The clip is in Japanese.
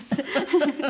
フフフフ！